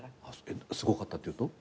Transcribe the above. すごかったっていうと？